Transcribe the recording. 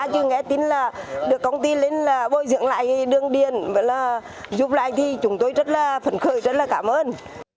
chứ nghe tin là được công ty lên là bồi dưỡng lại đường điện và là giúp lại thì chúng tôi rất là phấn khởi rất là cảm ơn